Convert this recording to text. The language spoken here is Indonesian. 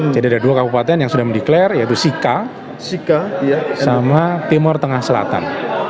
jadi ada dua kabupaten yang sudah mendikler yaitu sika sama timur tengah selatan